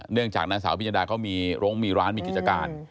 เนื่องจากนางสาวอพิญญาดาเขามีโรงมีร้านมีกิจการ